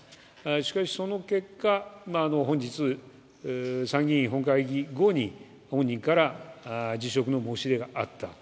しかしその結果、本日、参議院本会議後に、本人から辞職の申し出があった。